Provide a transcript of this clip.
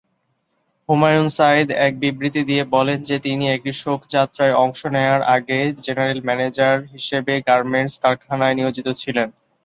হুমায়ুন সাঈদ এক বিবৃতি দিয়ে বলেন যে, তিনি একটি শোভাযাত্রায় অংশ নেওয়ার আগে জেনারেল ম্যানেজার হিসেবে গার্মেন্টস কারখানায় নিয়োজিত ছিলেন।